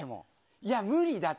いや、無理だって。